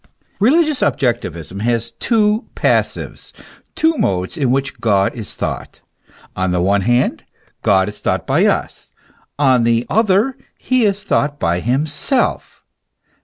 Religious objectivism has two passives, two modes in which God is thought. On the one hand, God is thought by us, on the other, he is thought by himself.